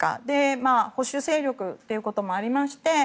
また保守勢力ということもありまして